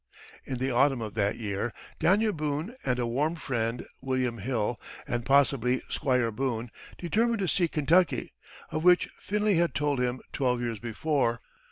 In the autumn of that year Daniel Boone and a warm friend, William Hill, and possibly Squire Boone, determined to seek Kentucky, of which Finley had told him twelve years before.